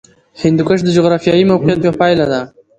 هندوکش د جغرافیایي موقیعت یوه پایله ده.